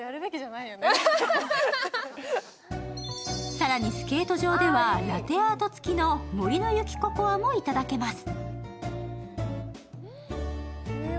更に、スケート場ではラテアート付きの森の雪ココアもいただけます。